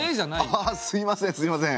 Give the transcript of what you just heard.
あすいませんすいません。